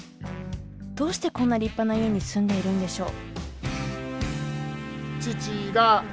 どうしてこんな立派な家に住んでいるんでしょう？